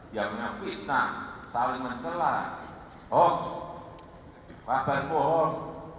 yang punya fitnah saling mencelah hoax badan bohong